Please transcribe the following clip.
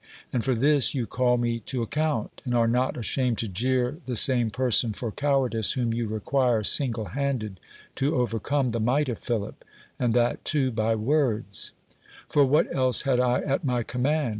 And for this you call me to ac count ; and are not ashamed to jeer the same per son for cowardice, whom you require single handed to overcome the might of Philip— and that, too, by words I For what el. ^e had I at rny command?